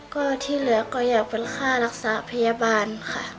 ก็ที่เหลือก็อยากเป็นค่ารักษาพยาบาลค่ะ